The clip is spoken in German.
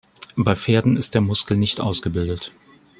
Bei Pferden ist der Muskel nicht ausgebildet.